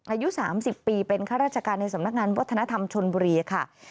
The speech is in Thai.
อายุ๓๐ปีเป็นข้าราชการในสำนักงานวัฒนธรรมชนบุรีค่ะ